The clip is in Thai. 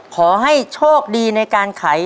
ขอให้โชคดีในการไข